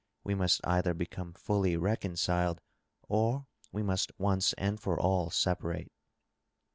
We must either become fully reconciled or we must once and for all separate.